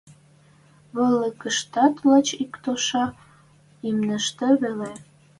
Вольыкыштат лач ик тоша имништӹ веле.